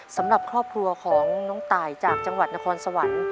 สำหรับครอบครัวของน้องตายจากจังหวัดนครสวรรค์